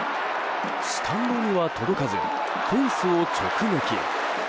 スタンドには届かずフェンスを直撃。